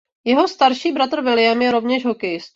Jeho starší bratr William je rovněž hokejistou.